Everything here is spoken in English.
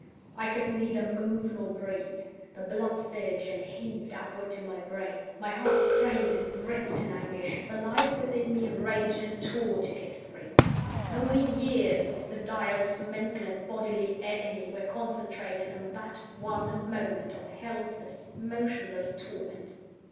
I could neither move nor breathe. The blood surged and heaved upward to my brain; my heart strained and writhed in anguish; the life within me raged and tore to get free. Whole years of the direst mental and bodily agony were concentrated in that one moment of helpless, motionless torment.